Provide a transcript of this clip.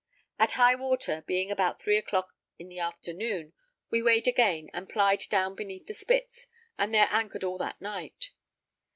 At high water, being about 3 [o']clock afternoon, we weighed again and plyed down beneath the Spits and there anchored all that night.